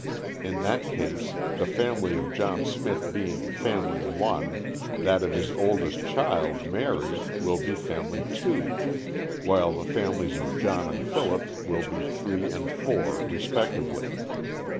In that case, the family of John Smith being Family 1, that of his oldest child, Mary, will be Family 2, while the families of John and Philip will be 3 and 4 respectively.